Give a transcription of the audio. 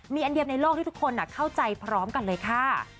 มีอันเดียวในโลกที่ทุกคนเข้าใจพร้อมกันเลยค่ะ